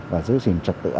và giữ gìn trật tự